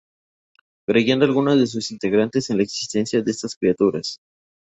Creyendo algunos de sus integrantes en la existencia de estas criaturas.